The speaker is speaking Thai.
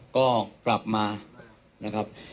ก็กลับมานะครับ